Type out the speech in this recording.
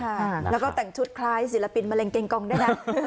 แล้วก็แต่งชุดคล้ายศิลปินมะเร็งเกงกองด้วยนะ